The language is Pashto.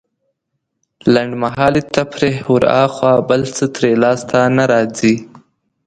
لنډمهالې تفريح وراخوا بل څه ترې لاسته نه راځي.